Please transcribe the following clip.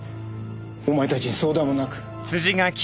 お前たちに相談もなく。